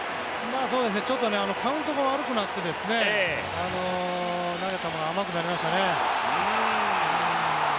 ちょっとカウントが悪くなって投げた球が甘くなりましたね。